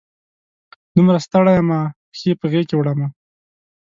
دومره ستړي یمه، پښې په غیږ کې وړمه